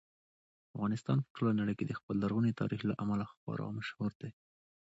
افغانستان په ټوله نړۍ کې د خپل لرغوني تاریخ له امله خورا مشهور دی.